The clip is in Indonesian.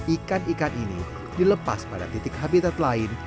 ikan ikan ini dilepas pada titik habitat lain